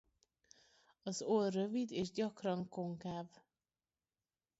Az orr rövid és gyakran konkáv.